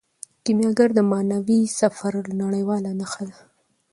کیمیاګر د معنوي سفر نړیواله نښه ده.